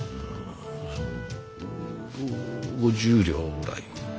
その５０両ぐらい。